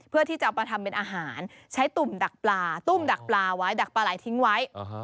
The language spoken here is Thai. เพื่อที่จะเอามาทำเป็นอาหารใช้ตุ่มดักปลาตุ่มดักปลาไว้ดักปลาไหลทิ้งไว้